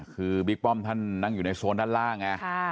คือบิ๊กป้อมท่านนั่งอยู่ในโซนด้านล่างไง